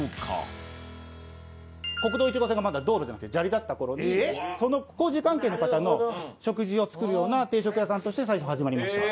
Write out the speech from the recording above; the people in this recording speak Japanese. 国道１号線がまだ道路じゃなくて砂利だった頃にその工事関係の方の食事を作るような定食屋さんとして最初始まりました。